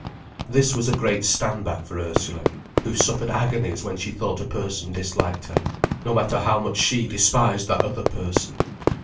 This was a great stand back for Ursula, who suffered agonies when she thought a person disliked her, no matter how much she despised that other person.